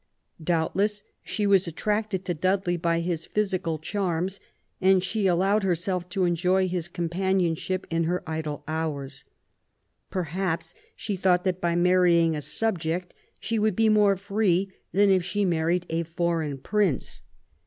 Doubtless she was at tracted to Dudley by his physical charms, and she allowed herself to enjoy his companionship in her 78 QUEEN ELIZABETH, idle hours. Perhaps she thought that by marrying a subject she would be more free than if she married a foreign prince.